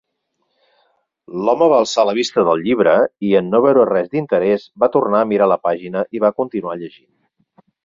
L'home va alçar la vista del llibre i, en no veure res d'interès, va tornar a mirar la pàgina i va continuar llegint.